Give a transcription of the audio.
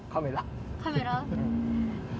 カメラ？